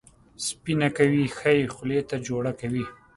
سپینه کوي، ښه یې خولې ته جوړه کوي.